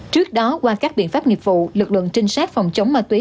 trước đó qua các biện pháp nghiệp vụ lực lượng trinh sát phòng chống ma túy